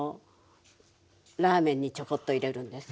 ラーメンにちょこっと入れるんです。